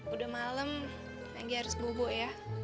udah malem anggi harus bubuk ya